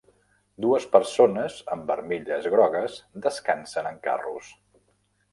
Dues persones amb armilles grogues descansen en carros